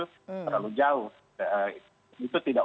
terlalu jauh itu tidak